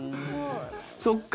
そっか。